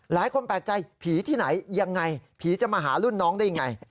หลายคนแปลกใจผีที่ไหนยังไงผีจะมาหารุ่นน้องได้ยังไง